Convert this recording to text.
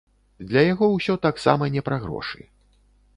Для яго ўсё таксама не пра грошы.